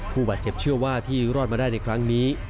ผู้บาดเจ็บเชื่อว่าที่รอดมาได้ในครั้งนี้